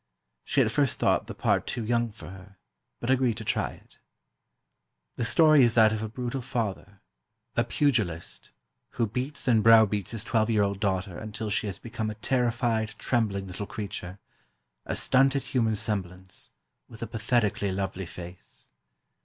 She at first thought the part too young for her, but agreed to try it. The story is that of a brutal father, a pugilist, who beats and browbeats his twelve year old daughter until she has become a terrified, trembling little creature, a stunted human semblance, with a pathetically lovely face.